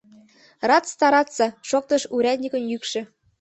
— Рад стараться! — шоктыш урядникын йӱкшӧ.